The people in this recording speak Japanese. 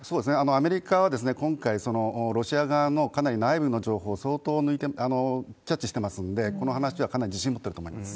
アメリカは今回、ロシア側のかなり内部の情報を相当キャッチしてますんで、この話はかなり自信を持ってると思います。